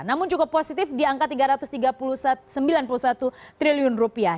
namun cukup positif di angka tiga ratus sembilan puluh satu triliun rupiah